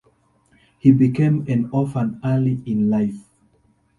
He became an orphan early in life.